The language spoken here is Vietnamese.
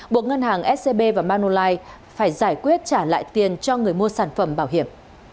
buộc ngân hàng scb và manulife phải giải quyết trả lại tiền cho người mua sản phẩm bảo hiểm